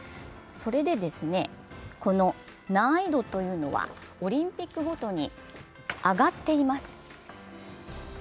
この難易度というのは、オリンピックごとに上がっています。